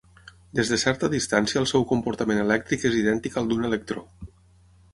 Des de certa distància el seu comportament elèctric és idèntic al d'un electró.